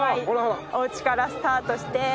今お家からスタートして。